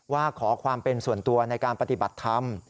ว่าขอความเป็นส่วนตัวในการปฏิบัติธรรม